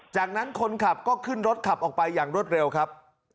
จากนั้นคนขับก็ขึ้นรถขับออกไปอย่างรวดเร็วครับ